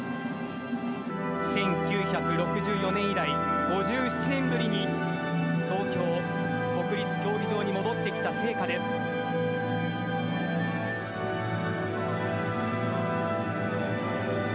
１９６４年以来、５７年ぶりに、東京・国立競技場に戻ってきた聖火です。